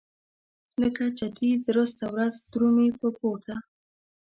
لکه چتي درسته ورځ درومي په پورته.